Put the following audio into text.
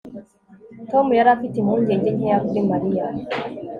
Tom yari afite impungenge nkeya kuri Mariya